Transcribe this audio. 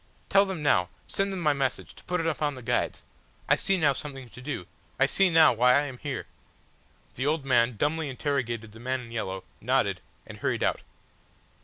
Tell them now send them my message to put it upon the guides. I see now something to do. I see now why I am here!" The old man dumbly interrogated the man in yellow nodded, and hurried out.